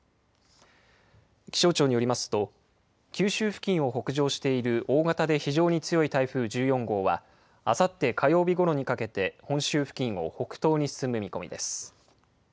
気象庁によりますと、九州付近を北上している大型で非常に強い台風１４号は、あさって火曜日ごろにかけて本州付近を北東に進む見込みです。